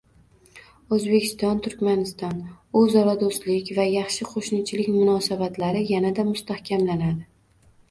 O‘zbekiston – Turkmaniston: o‘zaro do‘stlik va yaxshi qo‘shnichilik munosabatlari yanada mustahkamlanadi